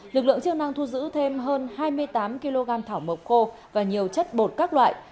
lực lượng chức năng thu giữ thêm hơn hai mươi tám kg thảo mộc khô và nhiều chất bột các loại